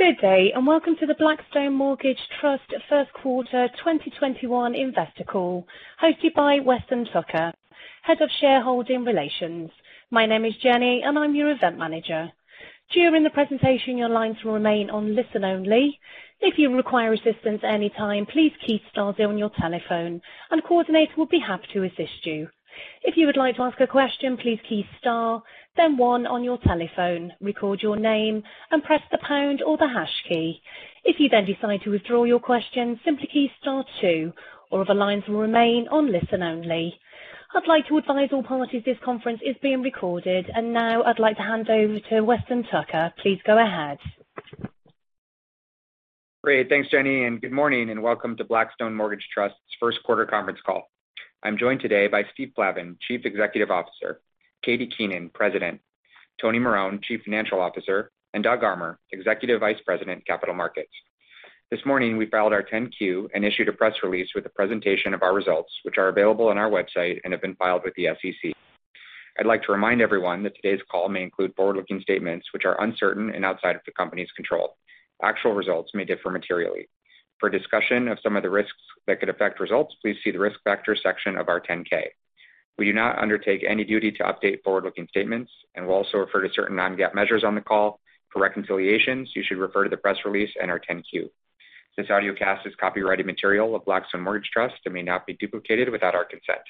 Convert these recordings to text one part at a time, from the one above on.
Good day, and welcome to the Blackstone Mortgage Trust Q1 2021 Investor Call, hosted by Weston Tucker, Head of shareholder relations. My name is Jenny, and I'm your event manager. During the presentation, your lines will remain on listen only. If you require assistance at any time, please press star on your telephone, and a coordinator will be happy to assist you. If you would like to ask a question, please press star, then one on your telephone, record your name, and press the pound or the hash key. If you then decide to withdraw your question, simply press star two, while other lines will remain on listen only. I'd like to advise all parties this conference is being recorded, and now I'd like to hand over to Weston Tucker. Please go ahead. Great. Thanks, Jenny, and good morning, and welcome to Blackstone Mortgage Trust's Q1 Conference Call. I'm joined today by Steve Plavin, Chief Executive Officer, Katie Keenan, President, Tony Marone, Chief Financial Officer, and Doug Armer, Executive Vice President, Capital Markets. This morning, we filed our 10-Q and issued a press release with a presentation of our results, which are available on our website and have been filed with the SEC. I'd like to remind everyone that today's call may include forward-looking statements, which are uncertain and outside of the company's control. Actual results may differ materially. For discussion of some of the risks that could affect results, please see the risk factor section of our 10-K. We do not undertake any duty to update forward-looking statements, and we'll also refer to certain non-GAAP measures on the call. For reconciliations, you should refer to the press release and our 10-Q. This audio cast is copyrighted material of Blackstone Mortgage Trust and may not be duplicated without our consent.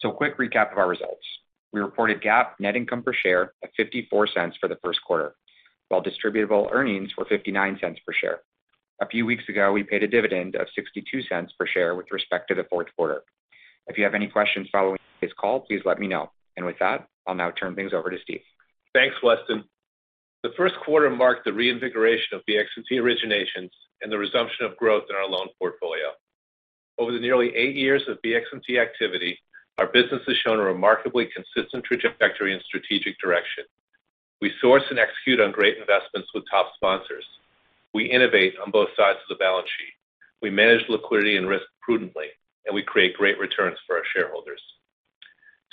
So, a quick recap of our results. We reported GAAP net income per share of $0.54 for the Q1, while distributable earnings were $0.59 per share. A few weeks ago, we paid a dividend of $0.62 per share with respect to the fourth quarter. If you have any questions following this call, please let me know. And with that, I'll now turn things over to Steve. Thanks, Weston. The first quarter marked the reinvigoration of BXMT originations and the resumption of growth in our loan portfolio. Over the nearly eight years of BXMT activity, our business has shown a remarkably consistent trajectory and strategic direction. We source and execute on great investments with top sponsors. We innovate on both sides of the balance sheet. We manage liquidity and risk prudently, and we create great returns for our shareholders.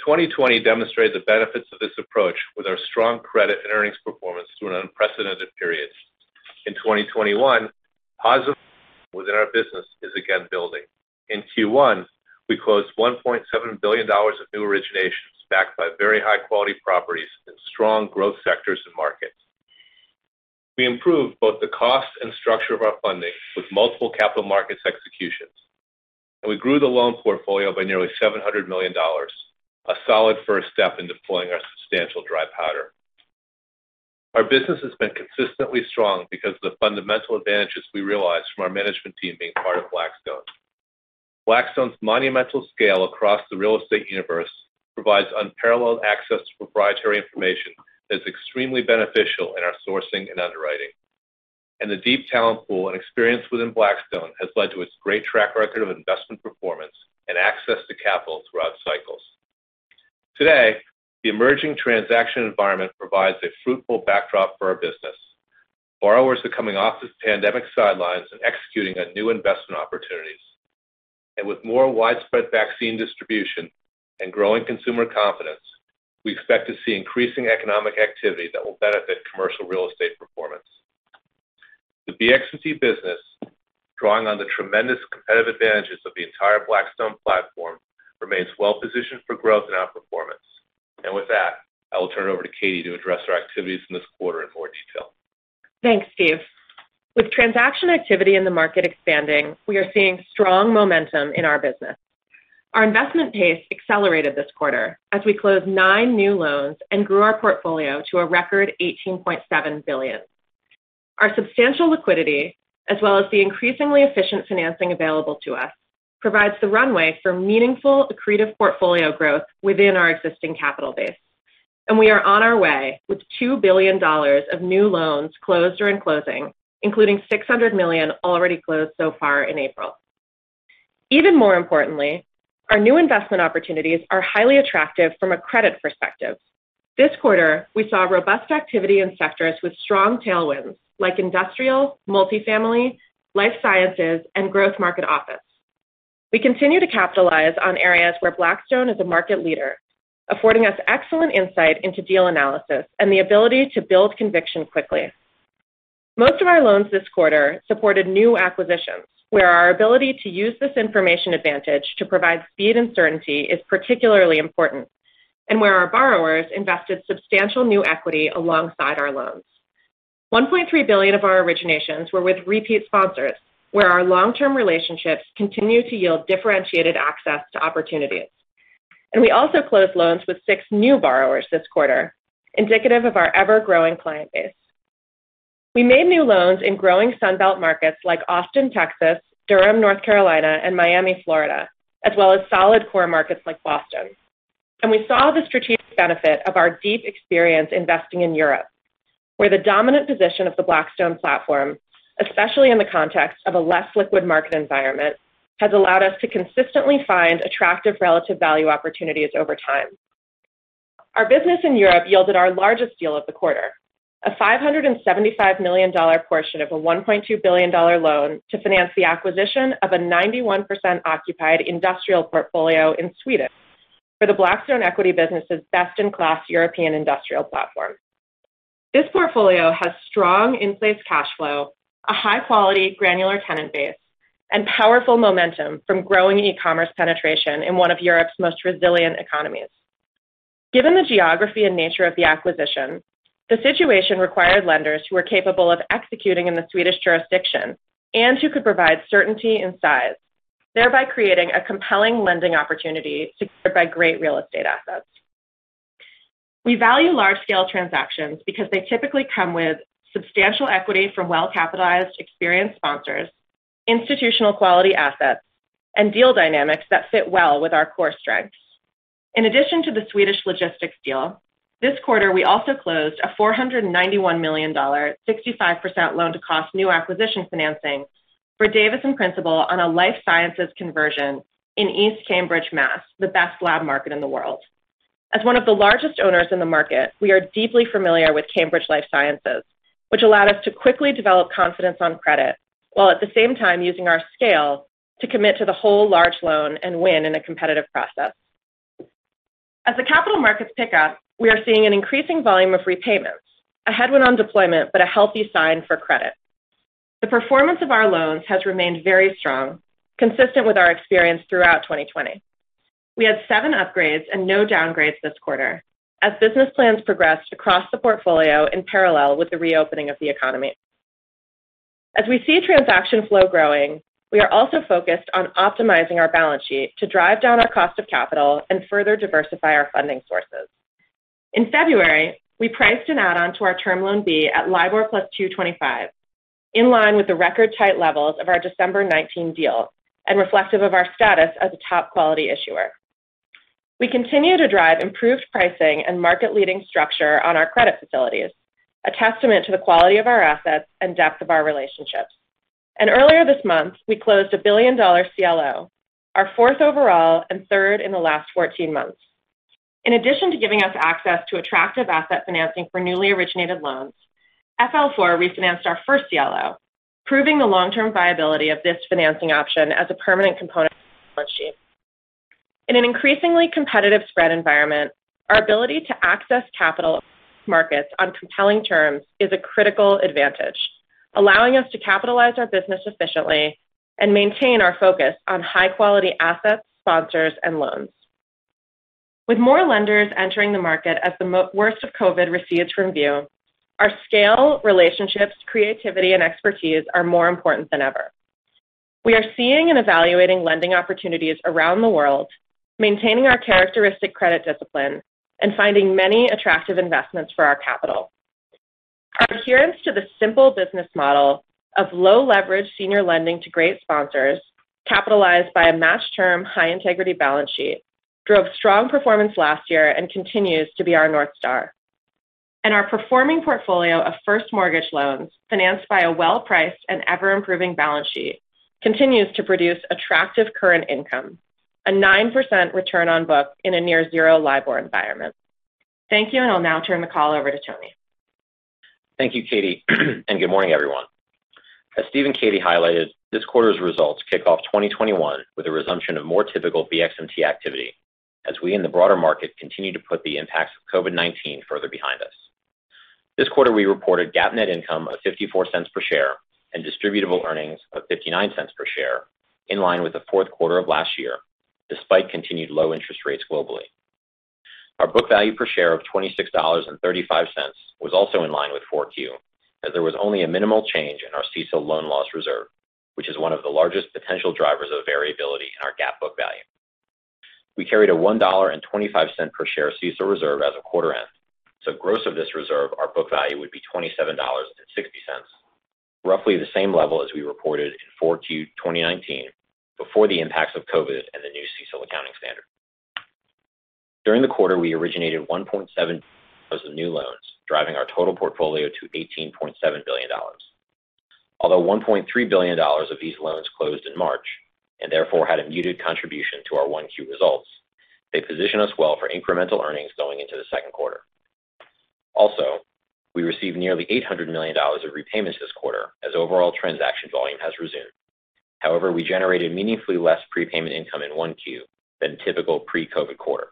2020 demonstrated the benefits of this approach with our strong credit and earnings performance through an unprecedented period. In 2021, positive growth within our business is again building. In Q1, we closed $1.7 billion of new originations backed by very high-quality properties and strong growth sectors and markets. We improved both the cost and structure of our funding with multiple capital markets executions, and we grew the loan portfolio by nearly $700 million, a solid first step in deploying our substantial dry powder. Our business has been consistently strong because of the fundamental advantages we realized from our management team being part of Blackstone. Blackstone's monumental scale across the real estate universe provides unparalleled access to proprietary information that is extremely beneficial in our sourcing and underwriting. And the deep talent pool and experience within Blackstone has led to its great track record of investment performance and access to capital throughout cycles. Today, the emerging transaction environment provides a fruitful backdrop for our business. Borrowers are coming off the pandemic sidelines and executing on new investment opportunities. With more widespread vaccine distribution and growing consumer confidence, we expect to see increasing economic activity that will benefit commercial real estate performance. The BXMT business, drawing on the tremendous competitive advantages of the entire Blackstone platform, remains well-positioned for growth and outperformance. With that, I will turn it over to Katie to address our activities in this quarter in more detail. Thanks, Steve. With transaction activity in the market expanding, we are seeing strong momentum in our business. Our investment pace accelerated this quarter as we closed nine new loans and grew our portfolio to a record $18.7 billion. Our substantial liquidity, as well as the increasingly efficient financing available to us, provides the runway for meaningful, accretive portfolio growth within our existing capital base, and we are on our way with $2 billion of new loans closed or in closing, including $600 million already closed so far in April. Even more importantly, our new investment opportunities are highly attractive from a credit perspective. This quarter, we saw robust activity in sectors with strong tailwinds like industrial, multifamily, life sciences, and growth market office. We continue to capitalize on areas where Blackstone is a market leader, affording us excellent insight into deal analysis and the ability to build conviction quickly. Most of our loans this quarter supported new acquisitions, where our ability to use this information advantage to provide speed and certainty is particularly important, and where our borrowers invested substantial new equity alongside our loans. $1.3 billion of our originations were with repeat sponsors, where our long-term relationships continue to yield differentiated access to opportunities, and we also closed loans with six new borrowers this quarter, indicative of our ever-growing client base. We made new loans in growing Sunbelt markets like Austin, Texas, Durham, North Carolina, and Miami, Florida, as well as solid core markets like Boston, and we saw the strategic benefit of our deep experience investing in Europe, where the dominant position of the Blackstone platform, especially in the context of a less liquid market environment, has allowed us to consistently find attractive relative value opportunities over time. Our business in Europe yielded our largest deal of the quarter, a $575 million portion of a $1.2 billion loan to finance the acquisition of a 91% occupied industrial portfolio in Sweden for the Blackstone equity business's best-in-class European industrial platform. This portfolio has strong in-place cash flow, a high-quality granular tenant base, and powerful momentum from growing e-commerce penetration in one of Europe's most resilient economies. Given the geography and nature of the acquisition, the situation required lenders who were capable of executing in the Swedish jurisdiction and who could provide certainty in size, thereby creating a compelling lending opportunity secured by great real estate assets. We value large-scale transactions because they typically come with substantial equity from well-capitalized, experienced sponsors, institutional quality assets, and deal dynamics that fit well with our core strengths. In addition to the Swedish logistics deal, this quarter we also closed a $491 million, 65% loan-to-cost new acquisition financing for Davis and Principal on a life sciences conversion in East Cambridge, Massachusetts, the best lab market in the world. As one of the largest owners in the market, we are deeply familiar with Cambridge Life Sciences, which allowed us to quickly develop confidence on credit while at the same time using our scale to commit to the whole large loan and win in a competitive process. As the capital markets pick up, we are seeing an increasing volume of repayments, a headwind on deployment, but a healthy sign for credit. The performance of our loans has remained very strong, consistent with our experience throughout 2020. We had seven upgrades and no downgrades this quarter as business plans progressed across the portfolio in parallel with the reopening of the economy. As we see transaction flow growing, we are also focused on optimizing our balance sheet to drive down our cost of capital and further diversify our funding sources. In February, we priced an add-on to our Term Loan B at LIBOR plus 225, in line with the record-tight levels of our December 2019 deal and reflective of our status as a top quality issuer. We continue to drive improved pricing and market-leading structure on our credit facilities, a testament to the quality of our assets and depth of our relationships. And earlier this month, we closed a $1 billion CLO, our fourth overall and third in the last 14 months. In addition to giving us access to attractive asset financing for newly originated loans, FL4 refinanced our first CLO, proving the long-term viability of this financing option as a permanent component of our balance sheet. In an increasingly competitive spread environment, our ability to access capital markets on compelling terms is a critical advantage, allowing us to capitalize our business efficiently and maintain our focus on high-quality assets, sponsors, and loans. With more lenders entering the market as the worst of COVID recedes from view, our scale, relationships, creativity, and expertise are more important than ever. We are seeing and evaluating lending opportunities around the world, maintaining our characteristic credit discipline, and finding many attractive investments for our capital. Our adherence to the simple business model of low-leverage senior lending to great sponsors, capitalized by a matched-term, high-integrity balance sheet, drove strong performance last year and continues to be our north star, and our performing portfolio of first mortgage loans financed by a well-priced and ever-improving balance sheet continues to produce attractive current income, a 9% return on book in a near-zero LIBOR environment. Thank you, and I'll now turn the call over to Tony. Thank you, Katie, and good morning, everyone. As Steve and Katie highlighted, this quarter's results kick off 2021 with a resumption of more typical BXMT activity as we and the broader market continue to put the impacts of COVID-19 further behind us. This quarter, we reported GAAP net income of $0.54 per share and distributable earnings of $0.59 per share in line with the 4Q of last year, despite continued low interest rates globally. Our book value per share of $26.35 was also in line with 4Q, as there was only a minimal change in our CECL loan loss reserve, which is one of the largest potential drivers of variability in our GAAP book value. We carried a $1.25 per share CECL reserve as of quarter end, so gross of this reserve, our book value would be $27.60, roughly the same level as we reported in 4Q 2019 before the impacts of COVID and the new CECL accounting standard. During the quarter, we originated $1.7 billion of new loans, driving our total portfolio to $18.7 billion. Although $1.3 billion of these loans closed in March and therefore had a muted contribution to our Q1 results, they position us well for incremental earnings going into the second quarter. Also, we received nearly $800 million of repayments this quarter as overall transaction volume has resumed. However, we generated meaningfully less prepayment income in Q1 than typical pre-COVID quarter.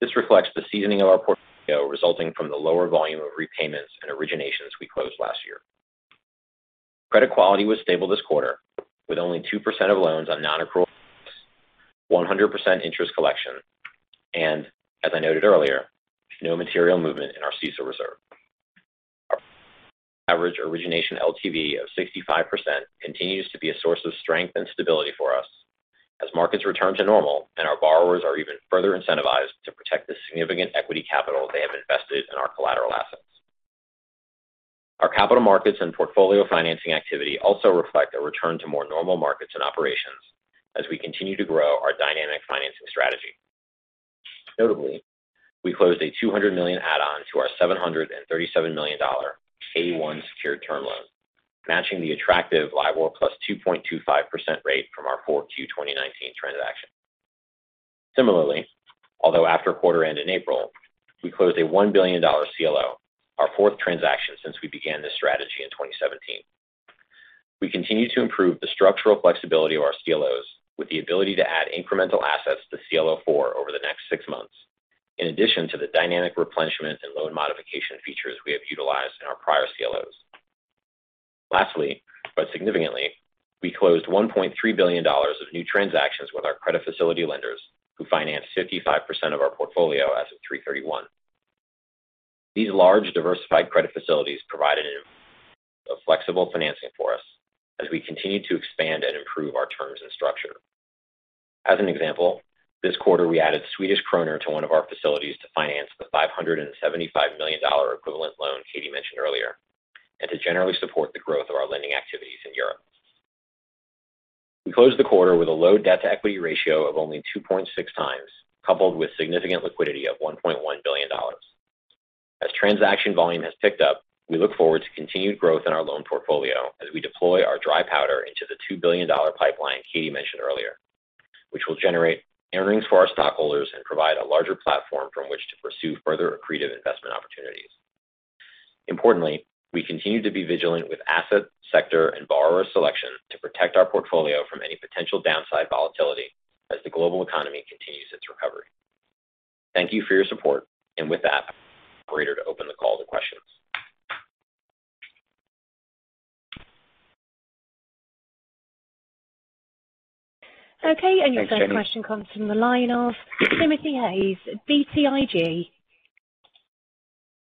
This reflects the seasoning of our portfolio resulting from the lower volume of repayments and originations we closed last year. Credit quality was stable this quarter, with only 2% of loans on non-accrual loans, 100% interest collection, and, as I noted earlier, no material movement in our CECL reserve. Our average origination LTV of 65% continues to be a source of strength and stability for us as markets return to normal and our borrowers are even further incentivized to protect the significant equity capital they have invested in our collateral assets. Our capital markets and portfolio financing activity also reflect a return to more normal markets and operations as we continue to grow our dynamic financing strategy. Notably, we closed a $200 million add-on to our $737 million B-1 secured term loan, matching the attractive LIBOR plus 2.25% rate from our Q4 2019 transaction. Similarly, although after quarter end in April, we closed a $1 billion CLO, our fourth transaction since we began this strategy in 2017. We continue to improve the structural flexibility of our CLOs with the ability to add incremental assets to CLO4 over the next six months, in addition to the dynamic replenishment and loan modification features we have utilized in our prior CLOs. Lastly, but significantly, we closed $1.3 billion of new transactions with our credit facility lenders who financed 55% of our portfolio as of 3/31. These large diversified credit facilities provided an environment of flexible financing for us as we continue to expand and improve our terms and structure. As an example, this quarter, we added Swedish Kronor to one of our facilities to finance the $575 million equivalent loan Katie mentioned earlier, and to generally support the growth of our lending activities in Europe. We closed the quarter with a low debt-to-equity ratio of only 2.6 times, coupled with significant liquidity of $1.1 billion. As transaction volume has picked up, we look forward to continued growth in our loan portfolio as we deploy our dry powder into the $2 billion pipeline Katie mentioned earlier, which will generate earnings for our stockholders and provide a larger platform from which to pursue further accretive investment opportunities. Importantly, we continue to be vigilant with asset sector and borrower selection to protect our portfolio from any potential downside volatility as the global economy continues its recovery. Thank you for your support, and with that, I'll wait to open the call to questions. Okay, and your first question comes from the line of Timothy Hayes, BTIG.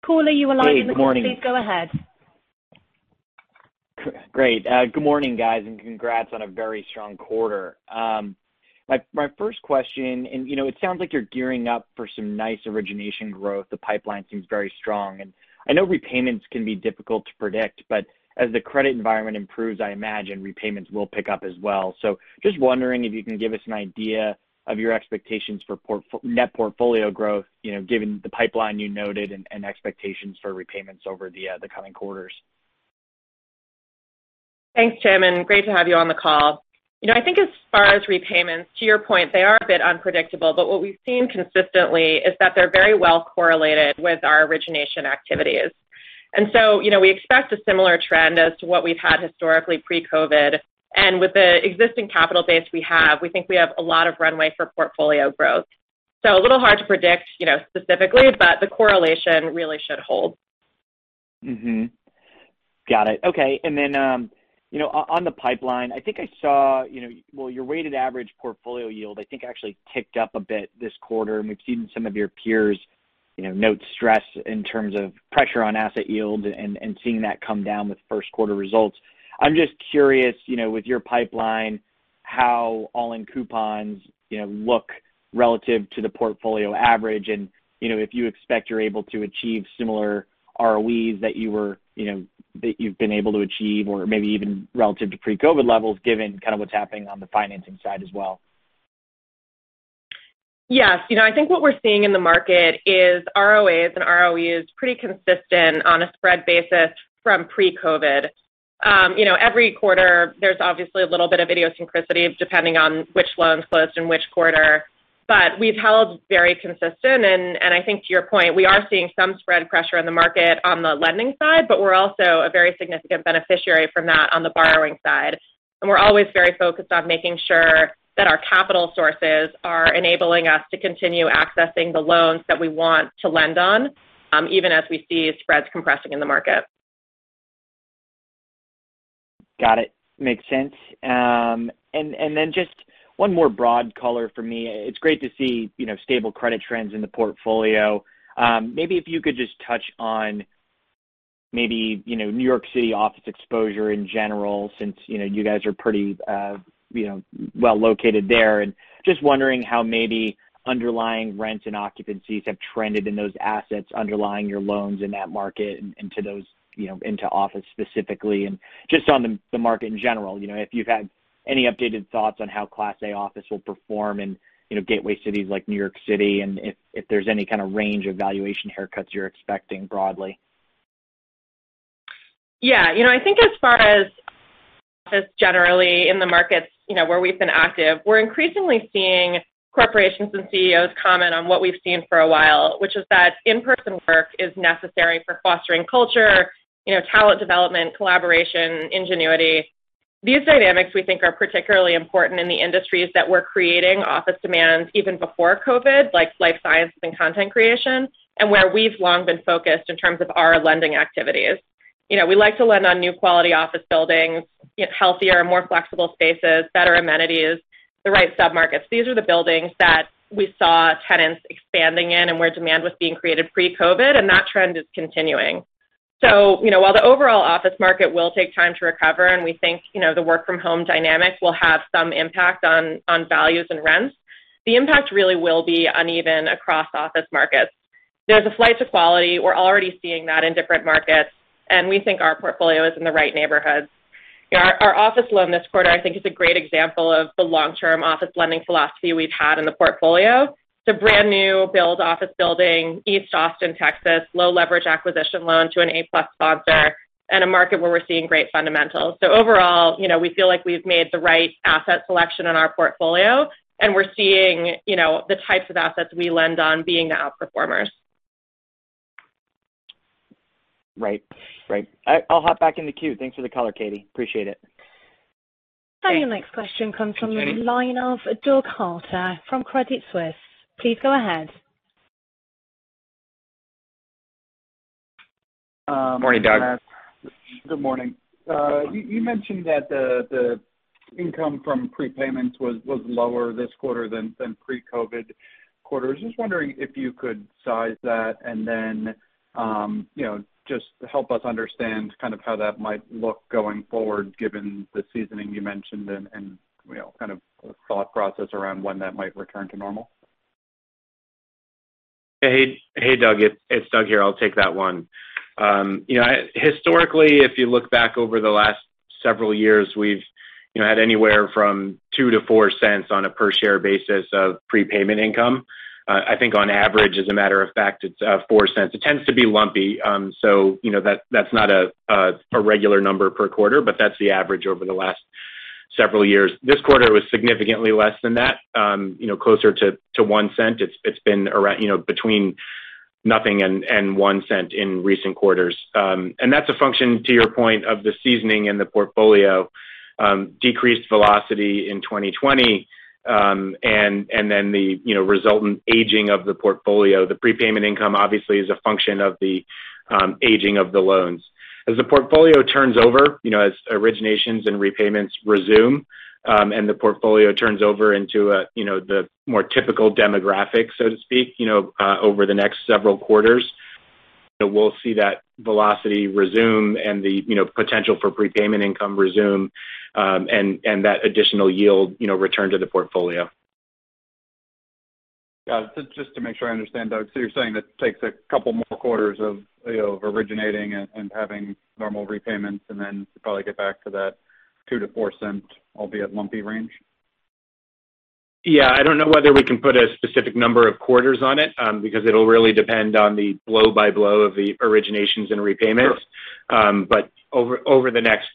Caller, you are live in the quarter. Hey, good morning. Please go ahead. Great. Good morning, guys, and congrats on a very strong quarter. My first question, and it sounds like you're gearing up for some nice origination growth. The pipeline seems very strong, and I know repayments can be difficult to predict, but as the credit environment improves, I imagine repayments will pick up as well, so just wondering if you can give us an idea of your expectations for net portfolio growth, given the pipeline you noted and expectations for repayments over the coming quarters. Thanks, Tim, and great to have you on the call. I think as far as repayments, to your point, they are a bit unpredictable, but what we've seen consistently is that they're very well correlated with our origination activities, and so we expect a similar trend as to what we've had historically pre-COVID. And with the existing capital base we have, we think we have a lot of runway for portfolio growth, so a little hard to predict specifically, but the correlation really should hold. Got it. Okay. And then on the pipeline, I think I saw, well, your weighted average portfolio yield, I think, actually ticked up a bit this quarter. And we've seen some of your peers note stress in terms of pressure on asset yield and seeing that come down with first quarter results. I'm just curious, with your pipeline, how all-in coupons look relative to the portfolio average and if you expect you're able to achieve similar ROEs that you've been able to achieve or maybe even relative to pre-COVID levels, given kind of what's happening on the financing side as well? Yes. I think what we're seeing in the market is ROAs and ROEs pretty consistent on a spread basis from pre-COVID. Every quarter, there's obviously a little bit of idiosyncrasy depending on which loans closed in which quarter, but we've held very consistent. And I think to your point, we are seeing some spread pressure in the market on the lending side, but we're also a very significant beneficiary from that on the borrowing side. And we're always very focused on making sure that our capital sources are enabling us to continue accessing the loans that we want to lend on, even as we see spreads compressing in the market. Got it. Makes sense. And then just one more broad color for me. It's great to see stable credit trends in the portfolio. Maybe if you could just touch on maybe New York City office exposure in general since you guys are pretty well located there. And just wondering how maybe underlying rents and occupancies have trended in those assets underlying your loans in that market and into office specifically? And just on the market in general, if you've had any updated thoughts on how Class A office will perform in gateway cities like New York City and if there's any kind of range of valuation haircuts you're expecting broadly?. Yeah. I think as far as office generally in the markets where we've been active, we're increasingly seeing corporations and CEOs comment on what we've seen for a while, which is that in-person work is necessary for fostering culture, talent development, collaboration, ingenuity. These dynamics we think are particularly important in the industries that we're creating office demands even before COVID, like life sciences and content creation, and where we've long been focused in terms of our lending activities. We like to lend on new quality office buildings, healthier, more flexible spaces, better amenities, the right submarkets. These are the buildings that we saw tenants expanding in and where demand was being created pre-COVID, and that trend is continuing. So while the overall office market will take time to recover and we think the work-from-home dynamic will have some impact on values and rents, the impact really will be uneven across office markets. There's a flight to quality. We're already seeing that in different markets, and we think our portfolio is in the right neighborhoods. Our office loan this quarter, I think, is a great example of the long-term office lending philosophy we've had in the portfolio. It's a brand new build office building in East Austin, Texas, low-leverage acquisition loan to an A-plus sponsor and a market where we're seeing great fundamentals. So overall, we feel like we've made the right asset selection in our portfolio, and we're seeing the types of assets we lend on being the outperformers. Right. Right. I'll hop back in the queue. Thanks for the color, Katie. Appreciate it. I think the next question comes from the line of Doug Harter from Credit Suisse. Please go ahead. Morning, Doug. Good morning. You mentioned that the income from prepayments was lower this quarter than pre-COVID quarter. I was just wondering if you could size that and then just help us understand kind of how that might look going forward, given the seasoning you mentioned and kind of the thought process around when that might return to normal?. Hey, Doug. It's Doug here. I'll take that one. Historically, if you look back over the last several years, we've had anywhere from $0.02-$0.04 on a per-share basis of prepayment income. I think on average, as a matter of fact, it's $0.04. It tends to be lumpy, so that's not a regular number per quarter, but that's the average over the last several years. This quarter, it was significantly less than that, closer to $0.01. It's been between nothing and $0.01 in recent quarters, and that's a function, to your point, of the seasoning in the portfolio, decreased velocity in 2020, and then the resultant aging of the portfolio. The prepayment income, obviously, is a function of the aging of the loans. As the portfolio turns over, as originations and repayments resume and the portfolio turns over into the more typical demographic, so to speak, over the next several quarters, we'll see that velocity resume and the potential for prepayment income resume and that additional yield return to the portfolio. Just to make sure I understand, Doug, so you're saying that it takes a couple more quarters of originating and having normal repayments, and then you probably get back to that $0.02-$0.04, albeit lumpy range? Yeah. I don't know whether we can put a specific number of quarters on it because it'll really depend on the blow-by-blow of the originations and repayments. But over the next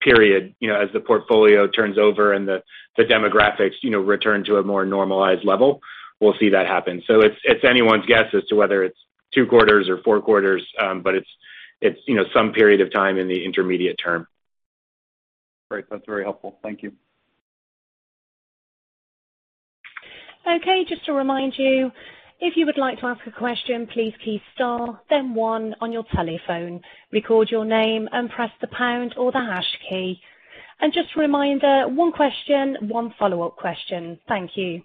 period, as the portfolio turns over and the demographics return to a more normalized level, we'll see that happen. So it's anyone's guess as to whether it's Q2s or Q4s, but it's some period of time in the intermediate term. Right. That's very helpful. Thank you. Okay. Just to remind you, if you would like to ask a question, please press star, then one on your telephone. Record your name and press the pound or the hash key. And just a reminder, one question, one follow-up question. Thank you.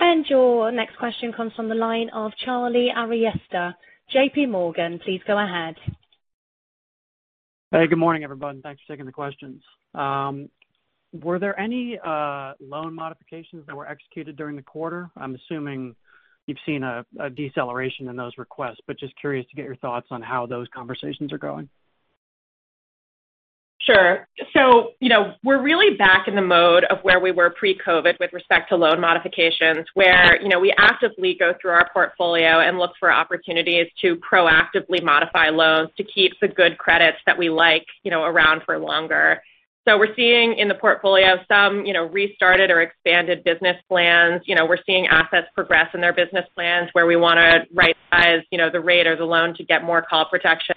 And your next question comes from the line of Charlie Arestia. JPMorgan, please go ahead. Hey, good morning, everyone. Thanks for taking the questions. Were there any loan modifications that were executed during the quarter?. I'm assuming you've seen a deceleration in those requests, but just curious to get your thoughts on how those conversations are going. Sure. So we're really back in the mode of where we were pre-COVID with respect to loan modifications, where we actively go through our portfolio and look for opportunities to proactively modify loans to keep the good credits that we like around for longer. So we're seeing in the portfolio some restarted or expanded business plans. We're seeing assets progress in their business plans where we want to right-size the rate or the loan to get more call protection.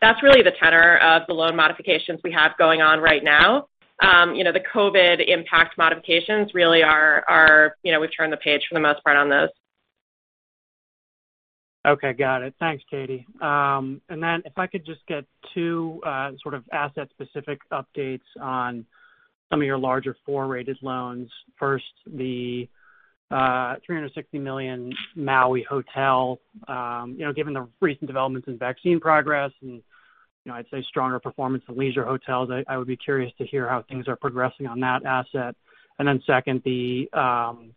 That's really the tenor of the loan modifications we have going on right now. The COVID impact modifications really are. We've turned the page for the most part on those. Okay. Got it. Thanks, Katie, and then if I could just get two sort of asset-specific updates on some of your larger four-rated loans. First, the $360 million Maui Hotel. Given the recent developments in vaccine progress and I'd say stronger performance in leisure hotels, I would be curious to hear how things are progressing on that asset. And then second, the $920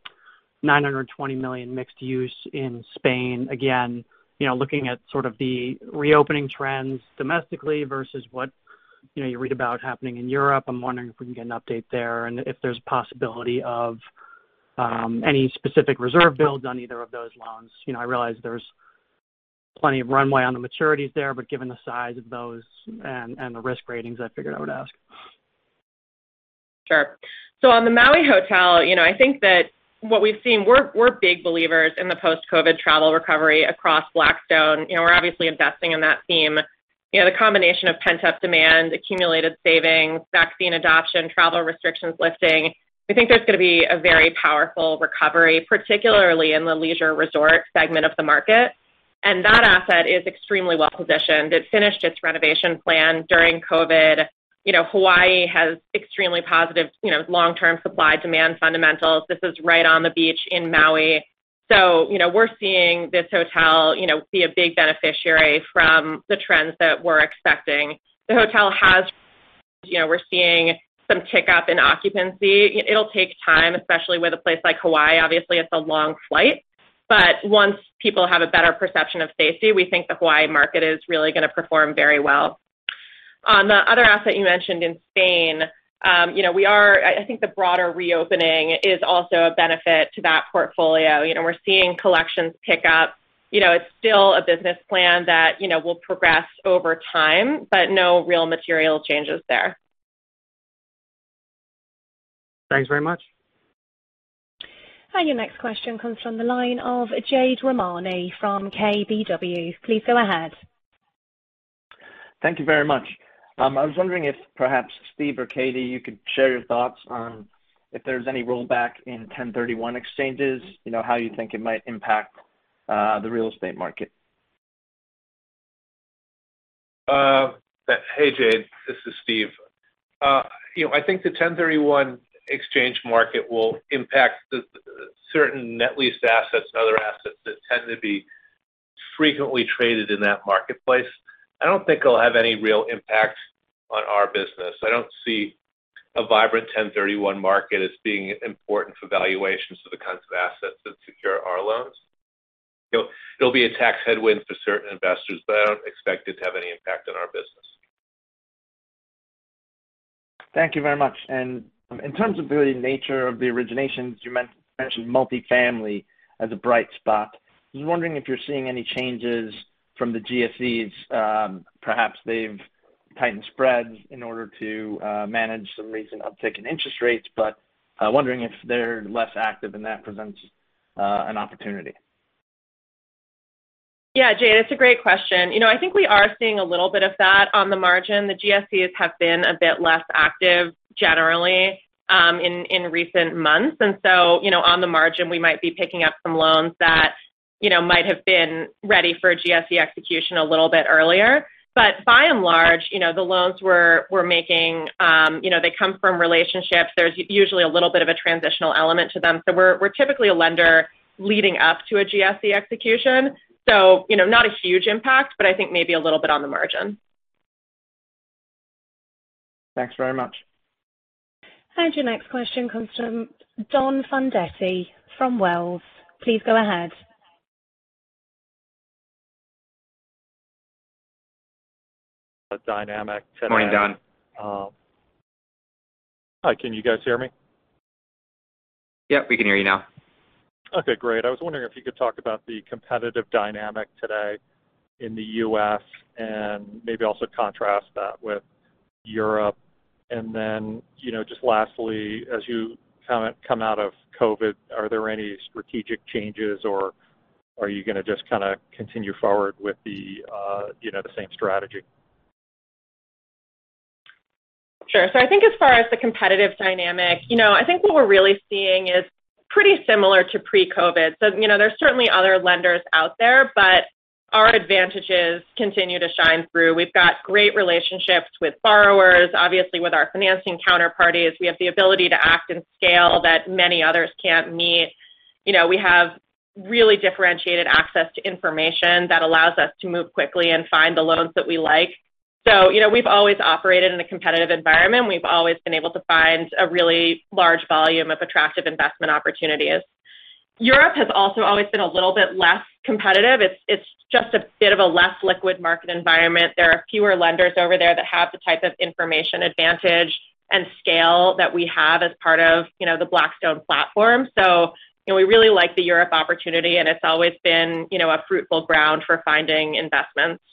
million mixed use in Spain. Again, looking at sort of the reopening trends domestically versus what you read about happening in Europe, I'm wondering if we can get an update there and if there's a possibility of any specific reserve builds on either of those loans. I realize there's plenty of runway on the maturities there, but given the size of those and the risk ratings, I figured I would ask. Sure. So on the Maui Hotel, I think that what we've seen, we're big believers in the post-COVID travel recovery across Blackstone. We're obviously investing in that theme. The combination of pent-up demand, accumulated savings, vaccine adoption, travel restrictions lifting, we think there's going to be a very powerful recovery, particularly in the leisure resort segment of the market. And that asset is extremely well-positioned. It finished its renovation plan during COVID. Hawaii has extremely positive long-term supply-demand fundamentals. This is right on the beach in Maui. So we're seeing this hotel be a big beneficiary from the trends that we're expecting. The hotel has. We're seeing some tick up in occupancy. It'll take time, especially with a place like Hawaii. Obviously, it's a long flight, but once people have a better perception of safety, we think the Hawaii market is really going to perform very well. On the other asset you mentioned in Spain, I think the broader reopening is also a benefit to that portfolio. We're seeing collections pick up. It's still a business plan that will progress over time, but no real material changes there. Thanks very much. And your next question comes from the line of Jade Rahmani from KBW. Please go ahead. Thank you very much. I was wondering if perhaps Steve or Katie, you could share your thoughts on if there's any rollback in 1031 exchanges, how you think it might impact the real estate market?. Hey, Jade. This is Steve. I think the 1031 exchange market will impact certain net-leased assets and other assets that tend to be frequently traded in that marketplace. I don't think it'll have any real impact on our business. I don't see a vibrant 1031 market as being important for valuations of the kinds of assets that secure our loans. It'll be a tax headwind for certain investors, but I don't expect it to have any impact on our business. Thank you very much. And in terms of the nature of the originations, you mentioned multifamily as a bright spot. I was wondering if you're seeing any changes from the GSEs. Perhaps they've tightened spreads in order to manage some recent uptick in interest rates, but wondering if they're less active and that presents an opportunity? Yeah, Jade, that's a great question. I think we are seeing a little bit of that on the margin. The GSEs have been a bit less active generally in recent months. And so on the margin, we might be picking up some loans that might have been ready for GSE execution a little bit earlier. But by and large, the loans we're making, they come from relationships. There's usually a little bit of a transitional element to them. So we're typically a lender leading up to a GSE execution. So not a huge impact, but I think maybe a little bit on the margin. Thanks very much. And your next question comes from Don Fandetti from Wells. Please go ahead. Dynamic today. Morning, Don. Hi. Can you guys hear me? Yep. We can hear you now. Okay. Great. I was wondering if you could talk about the competitive dynamic today in the U.S. and maybe also contrast that with Europe, and then just lastly, as you come out of COVID, are there any strategic changes, or are you going to just kind of continue forward with the same strategy? Sure. So I think as far as the competitive dynamic, I think what we're really seeing is pretty similar to pre-COVID. So there's certainly other lenders out there, but our advantages continue to shine through. We've got great relationships with borrowers, obviously with our financing counterparties. We have the ability to act in scale that many others can't meet. We have really differentiated access to information that allows us to move quickly and find the loans that we like. So we've always operated in a competitive environment. We've always been able to find a really large volume of attractive investment opportunities. Europe has also always been a little bit less competitive. It's just a bit of a less liquid market environment. There are fewer lenders over there that have the type of information advantage and scale that we have as part of the Blackstone platform. We really like the Europe opportunity, and it's always been a fruitful ground for finding investments.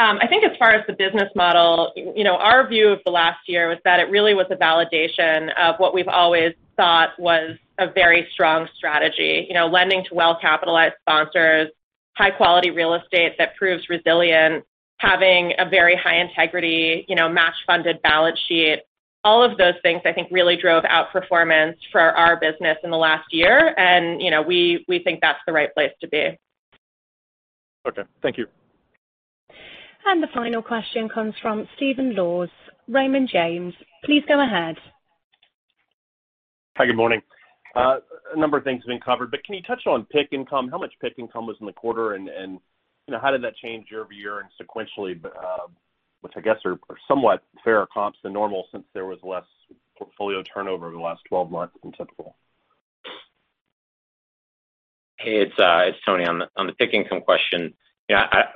I think as far as the business model, our view of the last year was that it really was a validation of what we've always thought was a very strong strategy: lending to well-capitalized sponsors, high-quality real estate that proves resilient, having a very high integrity, match-funded balance sheet. All of those things, I think, really drove outperformance for our business in the last year, and we think that's the right place to be. Okay. Thank you. And the final question comes from Stephen Laws. Raymond James, please go ahead. Hi. Good morning. A number of things have been covered, but can you touch on PIK income? How much PIK income was in the quarter, and how did that change year over year and sequentially, which I guess are somewhat fair comps than normal since there was less portfolio turnover over the last 12 months than typical? Hey, it's Tony on the PIK income question.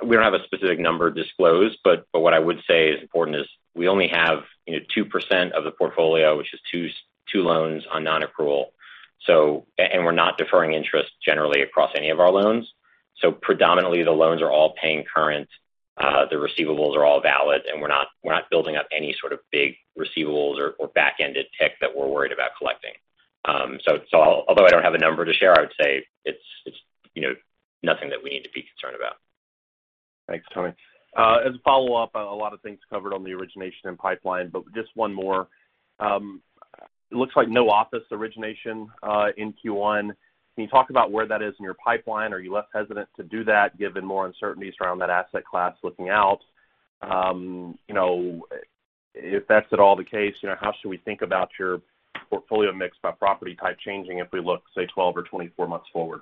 We don't have a specific number disclosed, but what I would say is important is we only have 2% of the portfolio, which is two loans on non-accrual, and we're not deferring interest generally across any of our loans, so predominantly, the loans are all paying current. The receivables are all valid, and we're not building up any sort of big receivables or back-ended PIK that we're worried about collecting. Although I don't have a number to share, I would say it's nothing that we need to be concerned about. Thanks, Tony. As a follow-up, a lot of things covered on the origination and pipeline, but just one more. It looks like no office origination in Q1. Can you talk about where that is in your pipeline? Are you less hesitant to do that given more uncertainties around that asset class looking out? If that's at all the case, how should we think about your portfolio mix by property type changing if we look, say, 12 or 24 months forward?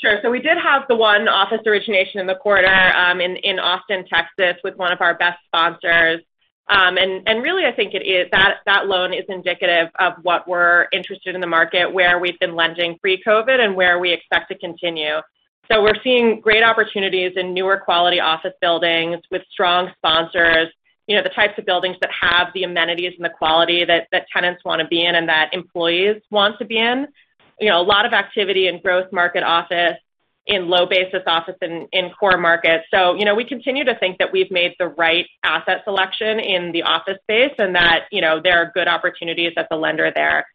Sure. So we did have the one office origination in the quarter in Austin, Texas, with one of our best sponsors. And really, I think that loan is indicative of what we're interested in the market, where we've been lending pre-COVID, and where we expect to continue. So we're seeing great opportunities in newer quality office buildings with strong sponsors, the types of buildings that have the amenities and the quality that tenants want to be in and that employees want to be in. A lot of activity in growth market office, in low-basis office in core markets. So we continue to think that we've made the right asset selection in the office space and that there are good opportunities at the lender there.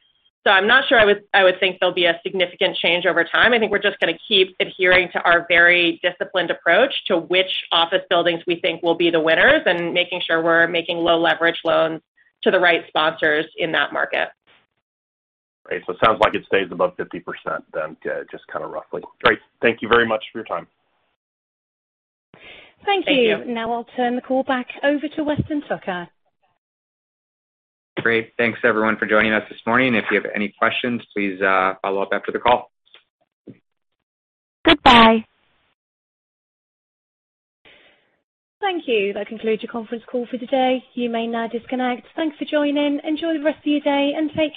So I'm not sure I would think there'll be a significant change over time. I think we're just going to keep adhering to our very disciplined approach to which office buildings we think will be the winners and making sure we're making low-leverage loans to the right sponsors in that market. Great. So it sounds like it stays above 50% then, just kind of roughly. Great. Thank you very much for your time. Thank you. Now I'll turn the call back over to Weston Tucker. Great. Thanks, everyone, for joining us this morning. If you have any questions, please follow up after the call. Goodbye. Thank you. That concludes your conference call for today. You may now disconnect. Thanks for joining. Enjoy the rest of your day and take.